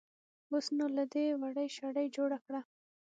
اوس نو له دې وړۍ شړۍ جوړه کړه.